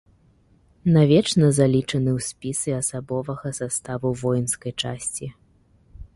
Навечна залічаны ў спісы асабовага саставу воінскай часці.